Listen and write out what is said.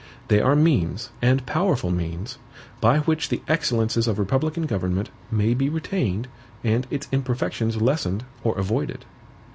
They are means, and powerful means, by which the excellences of republican government may be retained and its imperfections lessened or avoided.